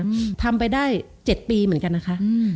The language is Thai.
คือทำไปได้๗ปีเหมือนกันนะคะ